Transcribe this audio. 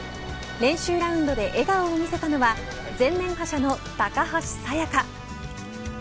練習ラウンドで笑顔を見せたのは前年覇者の高橋彩華。